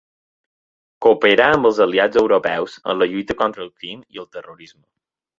Cooperar amb els aliats europeus en la lluita contra ‘el crim i el terrorisme’